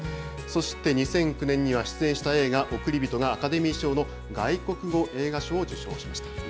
そして２００９年には出演した映画、おくりびとがアカデミー賞の外国語映画賞を受賞しました。